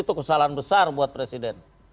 itu kesalahan besar buat presiden